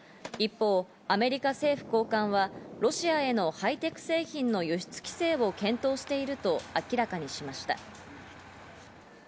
一方、アメリカ政府高官はロシアへのハイテク製品の輸出規制を検討していると明らかにしました。